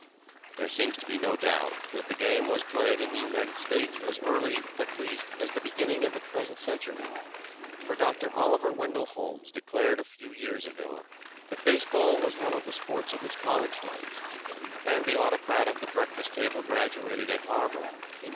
There seems to be no doubt that the game was played in the United States as early at least as the beginning of the present century, for Dr. Oliver Wendell Holmes declared a few years ago that base ball was one of the sports of his college days, and the autocrat of the breakfast table graduated at Harvard in 1829.